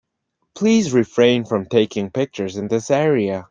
Please refrain from taking pictures in this area.